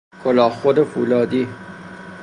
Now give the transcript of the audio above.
کلاه خود فولادی